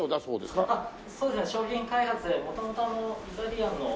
そうですね